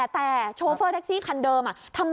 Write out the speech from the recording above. แต่โชเฟอร์แท็กซี่คันเดิม